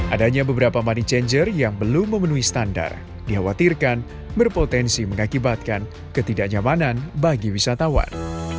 adanya beberapa money changer yang belum memenuhi standar dikhawatirkan berpotensi mengakibatkan ketidaknyamanan bagi wisatawan